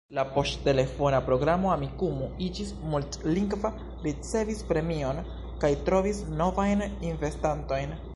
La poŝtelefona programo Amikumu iĝis multlingva, ricevis premion kaj trovis novajn investantojn.